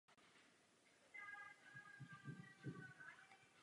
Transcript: Za dva měsíce poté zemřel.